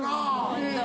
ホント？